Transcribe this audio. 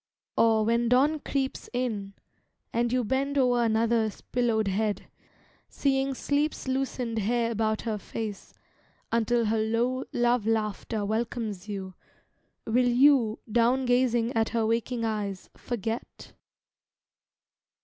or, when dawn creeps in, And you bend o'er another's pillowed head, Seeing sleep's loosened hair about her face, Until her low love laughter welcomes you, Will you, down gazing at her waking eyes, Forget?